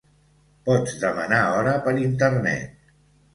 Pots demanar hora per Internet.